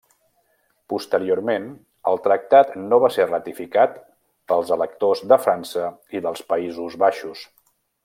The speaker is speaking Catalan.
Posteriorment, el tractat no va ser ratificat pels electors de França i dels Països Baixos.